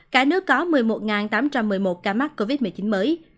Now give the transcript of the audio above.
cả nước có một mươi một tám trăm một mươi một ca mắc covid một mươi chín mới